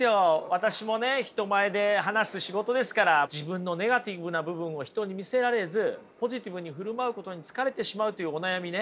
私もね人前で話す仕事ですから自分のネガティブな部分を人に見せられずポジティブに振る舞うことに疲れてしまうというお悩みね。